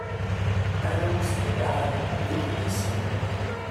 Arraw-is d ibaḥanen, d ukyisen.